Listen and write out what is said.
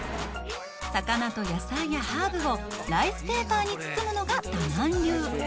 魚と野菜やハーブをライスペーパーに包むのがダナン流。